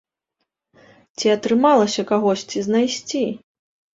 Ці атрымалася кагосьці знайсці?